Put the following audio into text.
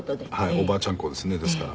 おばあちゃん子ですねですから。